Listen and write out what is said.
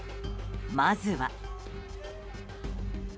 まずは。